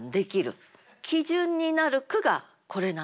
基準になる句がこれなんです。